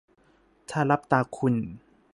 ถ้าลับตาคุณ